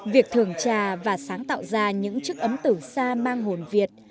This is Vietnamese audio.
việc thường trà và sáng tạo ra những chức ấm tử sa mang hồn việt